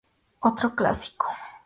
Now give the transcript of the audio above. Otro clásico.